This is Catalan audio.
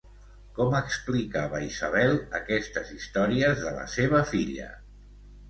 Com explicava Isabel aquestes històries de la seva filla?